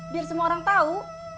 biar semua orang tahu